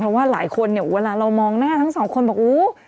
เพราะว่าหลายคนเนี่ยเวลาเรามองหน้าทั้งสองคนบอกอู้